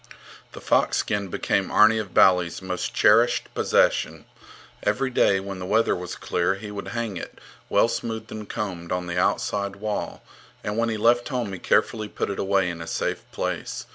* The fox skin became Arni of Bali's most cherished possession. Every day, when the weather was clear, he would hang it, well smoothed and combed, on the outside wall, and when he left home he carefully put it away in a safe place.